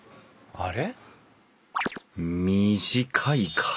あれ。